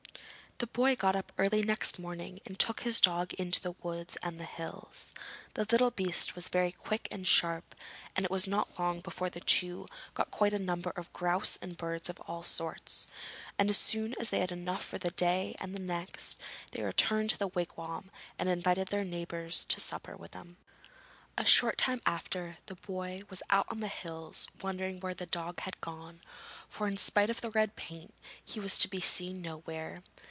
The boy got up early next morning and took his dog into the woods and the hills. The little beast was very quick and sharp, and it was not long before the two got quite a number of grouse and birds of all sorts; and as soon as they had enough for that day and the next, they returned to the wigwam and invited their neighbours to supper with them. A short time after, the boy was out on the hills wondering where the dog had gone, for, in spite of the red paint, he was to be seen nowhere.